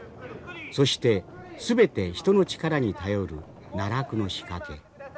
そして全て人の力に頼る奈落の仕掛け。